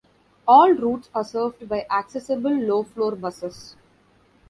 All routes are serviced by accessible low floor buses.